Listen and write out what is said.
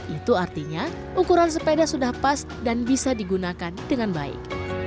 itu artinya ukuran sepeda sudah pas dan bisa digunakan dengan baik